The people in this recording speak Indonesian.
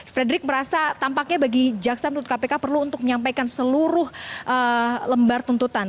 frederick merasa tampaknya bagi jaksa menurut kpk perlu untuk menyampaikan seluruh lembar tuntutan